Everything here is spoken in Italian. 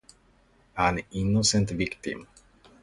An Innocent Victim